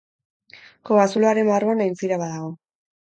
Kobazuloaren barruan aintzira bat dago.